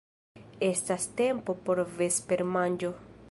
Estas tempo por vespermanĝo.